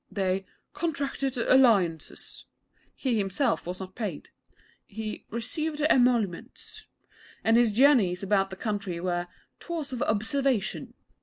They 'contracted alliances.' He himself was not paid. He 'received emoluments,' and his journeys about the country were 'tours of observation.'